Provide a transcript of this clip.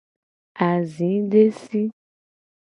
Azidesi.